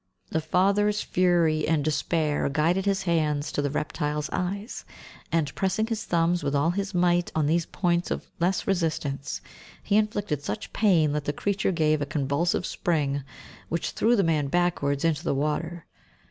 The father's fury and despair guided his hands to the reptile's eyes, and pressing his thumbs with all his might on these points of less resistance, he inflicted such pain that the creature gave a convulsive spring which threw the man backwards into the water.